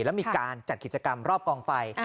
แล้วมีการจัดกิจกรรมรอบกองไฟ